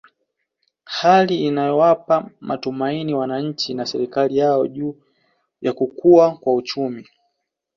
Hali inayowapa matumaini wananchi na serikali yao juu ya kukua kwa uchumi